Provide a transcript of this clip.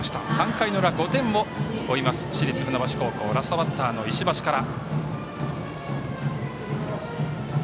３回の裏、５点を追います市立船橋高校ラストバッターの石橋から。